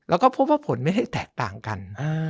แล้วก็พบว่าผลไม่ได้แตกต่างกัน